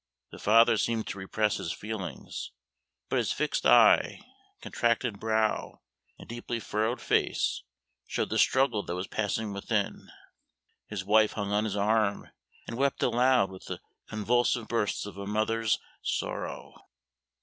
The father seemed to repress his feelings, but his fixed eye, contracted brow, and deeply furrowed face showed the struggle that was passing within. His wife hung on his arm, and wept aloud with the convulsive bursts of a mother's sorrow.